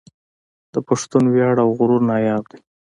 د پښتون وياړ او غرور ناياب دی